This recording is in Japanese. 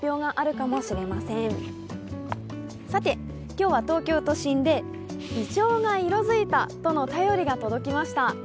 今日は東京都心でイチョウが色づいたとの便りが届きました。